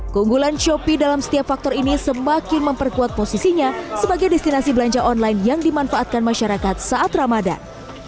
keunggulan shopee dalam setiap faktor ini semakin memperkuat posisinya sebagai destinasi belanja online yang dimanfaatkan masyarakat saat ramadan